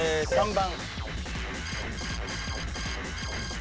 ３番！